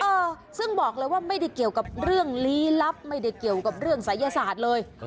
เออซึ่งบอกเลยว่าไม่ได้เกี่ยวกับเรื่องลี้ลับไม่ได้เกี่ยวกับเรื่องศัยศาสตร์เลย